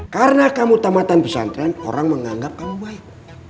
karena kamu tamatan pesantren orang menganggap kamu baik